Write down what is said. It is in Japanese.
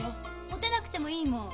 モテなくてもいいもん。